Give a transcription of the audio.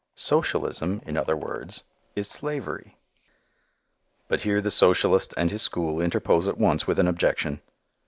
Socialism, in other words, is slavery. But here the socialist and his school interpose at once with an objection.